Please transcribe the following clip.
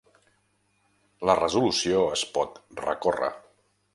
La resolució es pot recórrer.